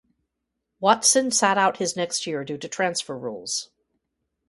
Watson sat out his next year due to transfer rules.